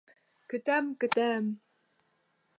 Көтәм, көтәм!